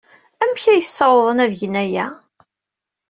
Amek ay ssawḍen ad gen aya?